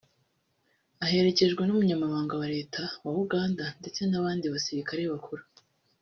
aherekejwe n’umunyamabanga wa Leta wa Uganda ndetse n’abandi basirikare bakuru